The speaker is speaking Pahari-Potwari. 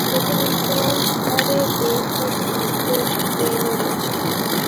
لیکن انسان سارے دیر تک بستریاں اچ پے رہنے